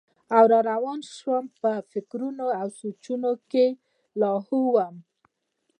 او روان شو پۀ فکرونو او سوچونو کښې لاهو وم